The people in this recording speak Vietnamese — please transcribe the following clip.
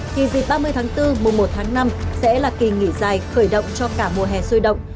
thì dịp ba mươi tháng bốn mùa một tháng năm sẽ là kỳ nghỉ dài khởi động cho cả mùa hè sôi động